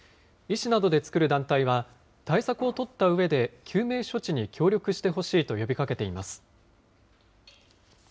医師などで作る団体は、対策を取ったうえで、救命処置に協力してほしいと呼びかけています。